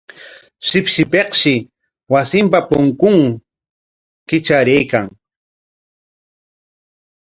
Shipshipikshi wasinpa punkun kitraraykan.